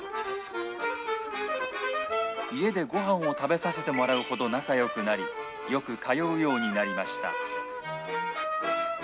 家でごはんを食べさせてもらうほど仲よくなり、よく通うようになりました。